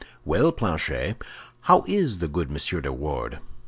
Well, Planchet, how is the good Monsieur de Wardes?